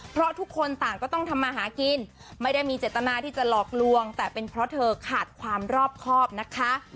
เพราะทุกคนต่างก็ต้องทำมาหากินไม่ได้มีเจตนาที่จะหลอกลวงแต่เป็นเพราะเธอขาดความรอบครอบนะคะ